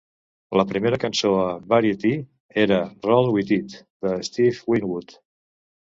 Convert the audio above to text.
La primera cançó a "Variety" era "Roll with It" de Steve Winwood.